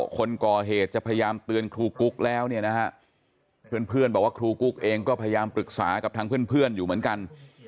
คนก่อเหตุจะพยายามเตือนครูกุ๊กแล้วเนี่ยนะฮะเพื่อนบอกว่าครูกุ๊กเองก็พยายามปรึกษากับทางเพื่อนอยู่เหมือนกัน